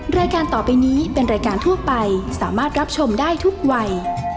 รายการต่อไปนี้เป็นรายการทั่วไปสามารถรับชมได้ทุกวัย